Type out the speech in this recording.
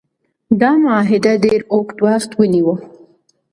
دا معاهده ډیر اوږد وخت ونیو.